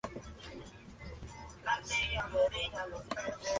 No existen apenas datos biográficos de esta compositora.